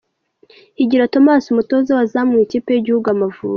Higiro Thomas umutoza w'abazamu mu ikipe y'iguhugu Amavubi.